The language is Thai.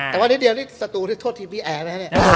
แต่ว่านิดเดียวสัตว์ที่ทดทีมพี่แอร์